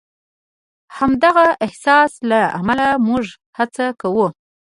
د همدغه احساس له امله موږ هڅه کوو.